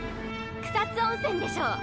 草津温泉でしょ。